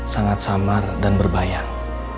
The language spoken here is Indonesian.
sangat samar dan berbayang